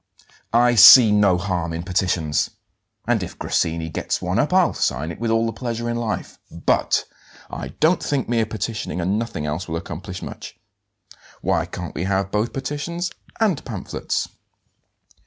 "I see no harm in petitions, and if Grassini gets one up I'll sign it with all the pleasure in life. But I don't think mere petitioning and nothing else will accomplish much. Why can't we have both petitions and pamphlets?"